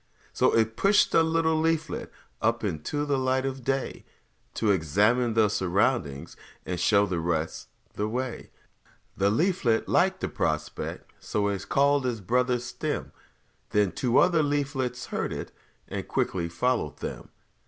So it pushed a little leaflet Up into the light of day, To examine the surroundings And show the rest the way. The leaflet liked the prospect, So it called its brother, Stem; Then two other leaflets heard it, And quickly followed them.